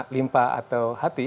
limpa atau hati